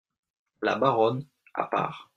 La Baronne , à part.